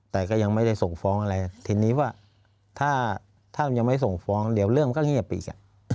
แต่ก็ยังไม่ได้ส่งฟ้องอะไรทีนี้ว่าถ้ามันยังไม่ส่งฟ้องเดี๋ยวเรื่องมันก็เงียบอีก